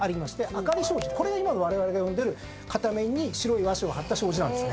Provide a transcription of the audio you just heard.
明障子これが今われわれが呼んでる片面に白い和紙を張った障子なんです。